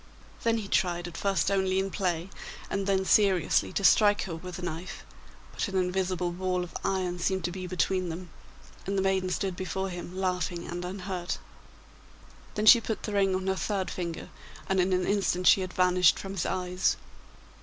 Then he tried, at first only in play, and then seriously, to strike her with the knife, but an invisible wall of iron seemed to be between them, and the maiden stood before him laughing and unhurt. Then she put the ring on her third finger, and in an instant she had vanished from his eyes.